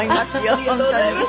ありがとうございます。